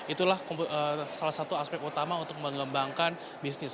itulah salah satu aspek utama untuk mengembangkan bisnis